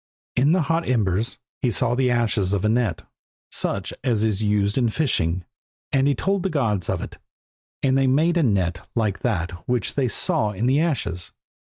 In the hot embers he saw the ashes of a net, such as is used in fishing, and he told the gods of it, and they made a net like that which they saw in the ashes.